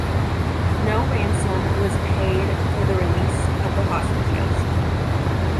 No ransom was paid for the release of the hostages.